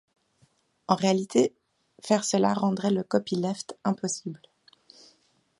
En réalité, faire cela rendrait le copyleft impossible.